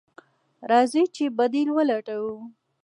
راځئ چې بديل ولټوو.